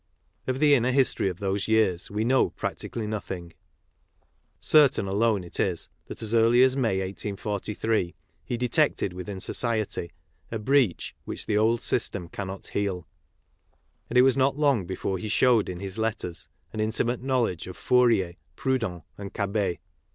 Of the inner history of those years Ave know practically nothing. Certain alone it is that as early as May, 1843, he detected within society " a breach which the old system cannot heal ''; and it was not long before he showed in his letters an intimate knowledge of Fourier, Proudhon and Cabet.